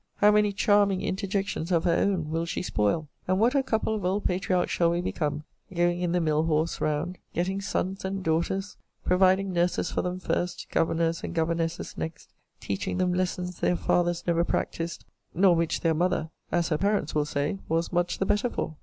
How many charming interjections of her own will she spoil! And what a couple of old patriarchs shall we become, going in the mill horse round; getting sons and daughters; providing nurses for them first, governors and governesses next; teaching them lessons their fathers never practised, nor which their mother, as her parents will say, was much the better for!